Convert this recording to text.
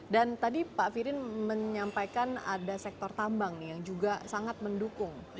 dan tadi pak firin menyampaikan ada sektor tambang nih yang juga sangat mendukung